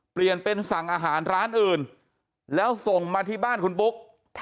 เปลี่ยนเป็นสั่งอาหารร้านอื่นแล้วส่งมาที่บ้านคุณปุ๊ก